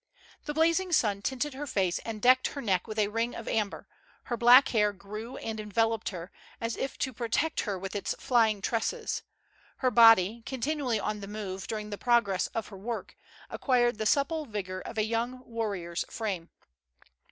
The blazing sun tinted her face and decked her neck with a ring of amber ; her black hair grew and enveloped her, as if to protect her with its flying tresses ; her body, continually on the move dur ing the jjrogress of her work, acquired the supple vigor of a young warrior's frame.